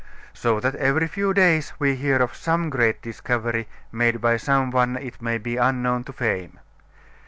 So that every few days we hear of some great discovery made by some one it may be unknown to fame.